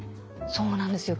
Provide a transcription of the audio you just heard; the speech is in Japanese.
そうなんですよ。